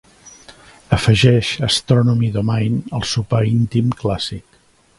Afegeix Astronomy Domine al sopar íntim clàssic.